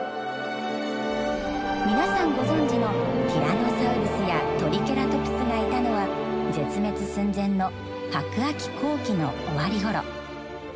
皆さんご存じのティラノサウルスやトリケラトプスがいたのは絶滅寸前の白亜紀後期の終わりごろ。